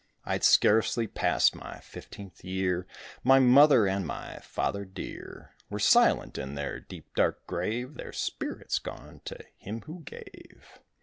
I'd scarcely passed my fifteenth year, My mother and my father dear Were silent in their deep, dark grave, Their spirits gone to Him who gave.